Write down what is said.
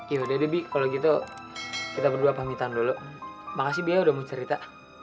yaudah deh bi kalau gitu kita berdua pamitan dulu makasih bia udah mau cerita